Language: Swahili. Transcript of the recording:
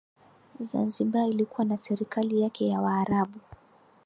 zanzibar ilikuwa na serikali yake ya waarabu